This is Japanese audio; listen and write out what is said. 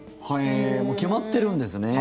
もう決まってるんですね。